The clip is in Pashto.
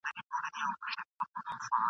کله به بیرته کلي ته راسي ..